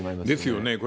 ですよね。